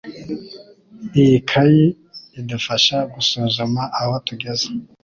Iyi kayi idufasha gusuzuma aho tugeze